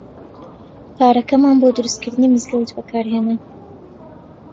پارەکەمان بۆ دروستکردنی مزگەوت بەکار هێنا.